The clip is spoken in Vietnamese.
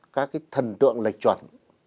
các cái thần tượng lệch chuẩn